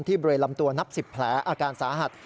ที่เบรยลำตัวนับสิบแผลอาการสาหัส